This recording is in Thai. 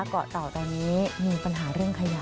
เกาะเต่าตอนนี้มีปัญหาเรื่องขยะ